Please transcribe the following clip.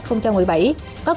có quy định bằng cách